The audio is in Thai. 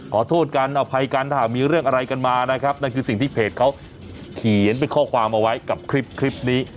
ขอโทษกันอภัยกันถ้ามีเรื่องอะไรกันมานะครับนั่นคือสิ่งที่เพจเขาเขียนเป็นข้อความเอาไว้กับคลิปนี้